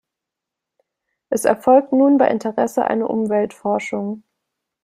Es erfolgt nun bei Interesse eine Umweltforschung.